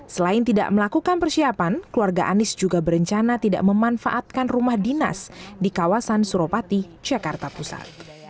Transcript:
selain tidak melakukan persiapan keluarga anies juga berencana tidak memanfaatkan rumah dinas di kawasan suropati jakarta pusat